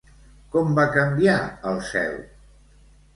Com va canviar el cel?